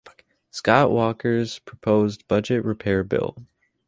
Scott Walker's proposed Budget Repair Bill.